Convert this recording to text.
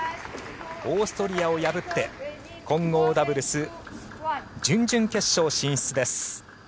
オーストリアを破って混合ダブルス準々決勝進出です。